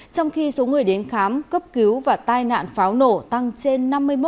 trong khi số người đến khám cấp cứu và tai nạn pháo nổ tăng trên năm mươi một